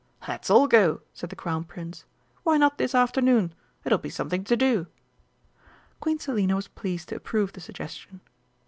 "Let's all go!" said the Crown Prince. "Why not this afternoon? It'll be something to do!" Queen Selina was pleased to approve the suggestion.